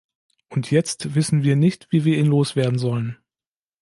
Und jetzt wissen wir nicht, wie wir ihn loswerden sollen.